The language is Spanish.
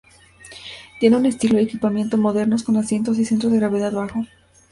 Tiene un estilo y equipamiento modernos, con asientos y centro de gravedad bajo.